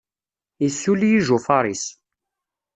Yussuli ijufaṛ-is.